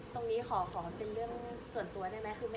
ตรงนี้ขอเป็นเรื่องส่วนตัวได้ไหม